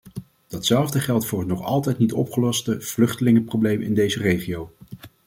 Datzelfde geldt voor het nog altijd niet opgeloste vluchtelingenprobleem in deze regio.